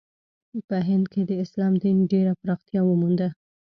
په هند کې د اسلام دین ډېره پراختیا ومونده.